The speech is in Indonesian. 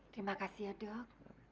terima kasih ya dok